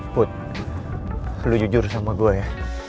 put perlu jujur sama gue ya